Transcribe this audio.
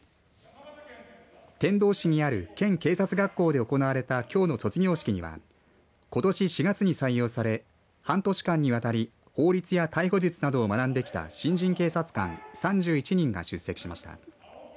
天童市にある県警察学校で行われたきょうの卒業式にはことし４月に採用され半年間にわたり法律や逮捕術などを学んできた新人警察官３１人が出席しました。